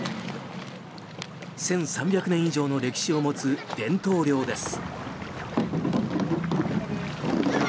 １３００年以上の歴史を持つ伝統漁です。